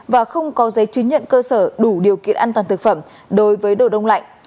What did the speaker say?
và không có giấy chứng nhận cơ sở đủ điều kiện an toàn thực phẩm đối với đồ đông lạnh